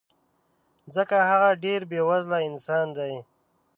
ځکه هغه ډېر بې وزله انسان دی